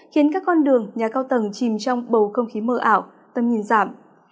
khiến các con đường nhà cao tầng chìm trong bầu không khí mờ ảo tâm nhìn giảm